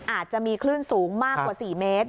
อาจจะมีคลื่นสูงมากกว่า๔เมตร